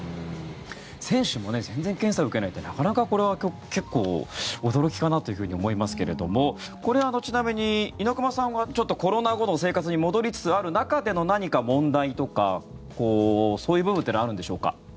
選手も全然、検査受けないってなかなかこれは結構驚きかなと思いますけれどもこれはちなみに猪熊さんはコロナ後の生活に戻りつつある中での何か問題とかそういう部分というのはあるんでしょうか？